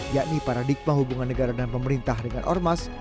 yakni paradigma hubungan negara dan pemerintah dengan ormas